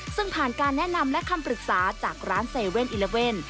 ซึ่งผ่านการแนะนำและคำปรึกษาจากร้าน๗๑๑